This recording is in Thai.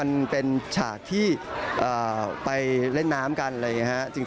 มันเป็นฉากที่ไปเล่นน้ำกันอะไรอย่างนี้ครับ